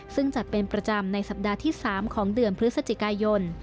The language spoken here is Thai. ซึ่งจัดเป็นประจำในสัปดาห์ที่๓ของเดือนพฤศจิกายน